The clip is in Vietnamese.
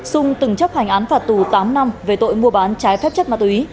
sung từng chấp hành án phạt tù tám năm về tội mua bán trái phép chất ma túy